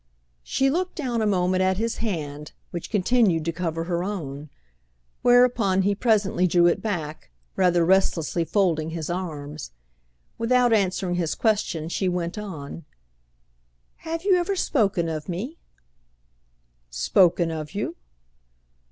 She looked down a moment at his hand, which continued to cover her own; whereupon he presently drew it back, rather restlessly folding his arms. Without answering his question she went on: "Have you ever spoken of me?" "Spoken of you?"